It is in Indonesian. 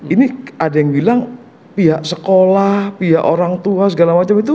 ini ada yang bilang pihak sekolah pihak orang tua segala macam itu